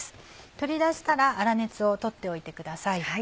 取り出したら粗熱を取っておいてください。